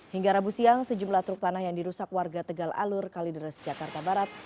hingga rabu siang sejumlah truk tanah yang dirusak warga tegal alur kalideres jakarta barat